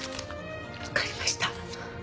分かりました。